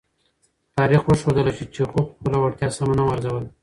تاریخ وښودله چې چیخوف خپله وړتیا سمه نه وه ارزولې.